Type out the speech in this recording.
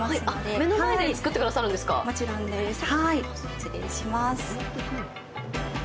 失礼します。